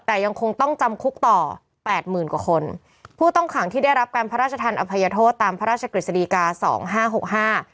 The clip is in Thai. แต่ยังคงต้องจำคุกต่อแปดหมื่นกว่าคนผู้ต้องขังที่ได้รับการพระราชทันอภัยโทษตามพระราชกฤษฎีกาสองห้าหกห้า